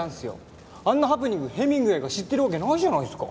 あんなハプニングヘミングウェイが知ってるわけないじゃないっすか。